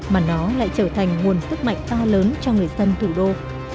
mà nó lại trở thành nguồn sức mạnh to lớn cho người dân thủ đô